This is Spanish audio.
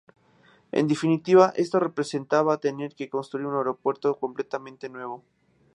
En definitiva, esto representaba tener que construir un aeropuerto completamente nuevo.